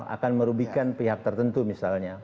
akan merugikan pihak tertentu misalnya